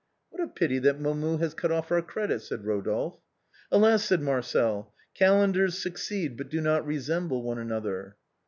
" What a pity that Momus has cut off our credit," said Eodolphe. "Alas," said Marcel; "calendars succeed but do not resemble one another."